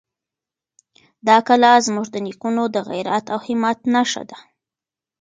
دا کلا زموږ د نېکونو د غیرت او همت نښه ده.